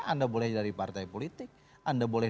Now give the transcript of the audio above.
anda boleh dari partai politik anda boleh